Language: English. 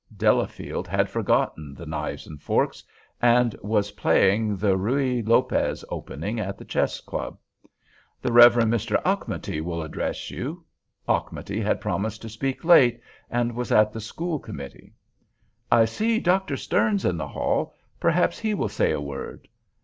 Delafield had forgotten the knives and forks, and was playing the Ruy Lopez opening at the chess club. "The Rev. Mr. Auchmuty will address you." Auchmuty had promised to speak late, and was at the school committee. "I see Dr. Stearns in the hall; perhaps he will say a word."